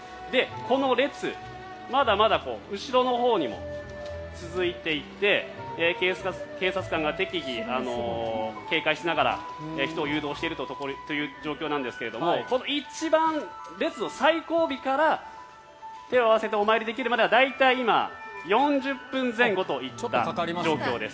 この列、まだまだ後ろのほうにも続いていて警察官が適宜、警戒しながら人を誘導しているという状況なんですけども一番列の最後尾から手を合わせてお祈りできるまでは大体今、４０分前後といった状況です。